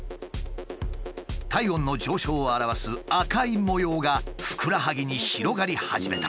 体温の上昇を表す赤い模様がふくらはぎに広がり始めた。